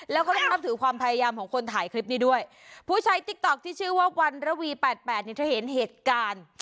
แล้วก็ต้องนับถือความพยายามของคนถ่ายคลิปนี้ด้วยผู้ใช้ติ๊กต๊อกที่ชื่อว่าวันระวีแปดแปดเนี่ยเธอเห็นเหตุการณ์